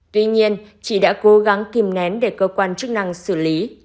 tuy nhiên chị đã cố gắng kìm nén để cơ quan chức năng xử lý